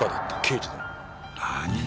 何！？